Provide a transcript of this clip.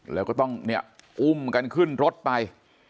แล้วก็ต้องอุ่มกันขึ้นรถไป